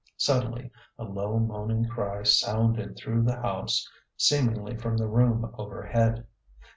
Suddenly a low moaning cry sounded through the house, seemingly from the room overhead.